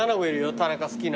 田中好きな。